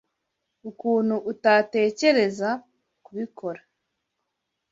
Ukuntu utatekereza kubikora.